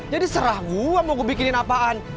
jadi serah gue mau gue bikinin apaan